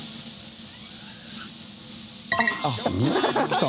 あっ来た。